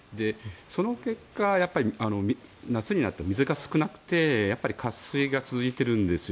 その結果夏になって水が少なくて渇水が続いているんですよ。